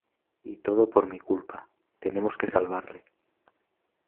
Y todo por mi culpa. Tenemos que salvarle .